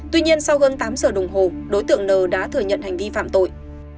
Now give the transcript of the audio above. tuy nhiên sau hơn tám giờ đồng hồ đối tượng n đã thừa nhận hành vi phạm tội